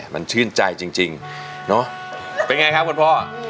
มันชื่นใจจริงเนาะเป็นไงครับคุณพ่อ